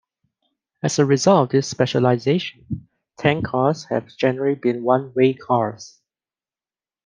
As a result of this specialization, tank cars have generally been "one-way" cars.